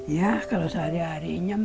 ya kalau sehari harinya